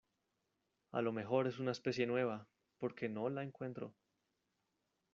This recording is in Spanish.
a lo mejor es una especie nueva, porque no la encuentro